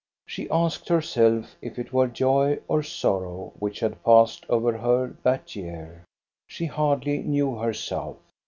She asked herself if it were joy or sorrow which had passed over her that year. She hardly knew herself.